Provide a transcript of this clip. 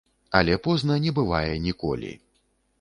Але позна не бывае ніколі.